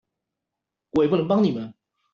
我也不能幫你們